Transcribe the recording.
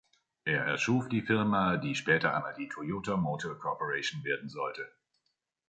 Er erschuf die Firma, die später einmal die Toyota Motor Corporation werden sollte.